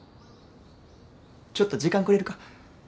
ちょっと時間くれるか。